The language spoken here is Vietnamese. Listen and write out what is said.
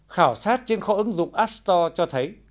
khảo sát trên kho ứng dụng app store cho thấy